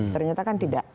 ternyata kan tidak